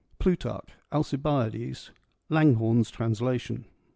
Plutarch, 'Alcibiades,' Langhome's Translation.